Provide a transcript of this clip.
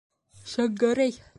Шәңгәрәй!